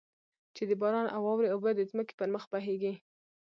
چې د باران او واورې اوبه د ځمکې پر مخ بهېږي.